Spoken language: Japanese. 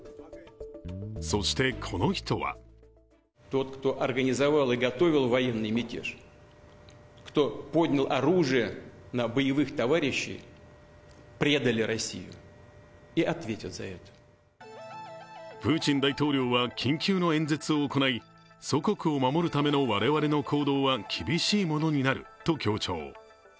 そして、この人はプーチン大統領は緊急の演説を行い祖国を守るための我々の行動は厳しいものになると強調。